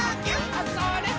あ、それっ！